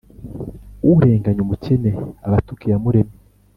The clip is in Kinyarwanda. urenganya umukene aba atuka iyamuremye